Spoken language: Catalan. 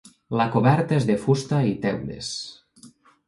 La coberta és de fusta i teules.